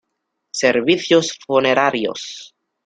Servicios funerarios.